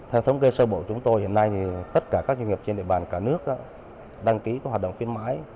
hệ thống kê sơ bộ chúng tôi hiện nay thì tất cả các doanh nghiệp trên địa bàn cả nước đăng ký có hoạt động khuyến mại